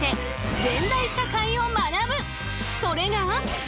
それが。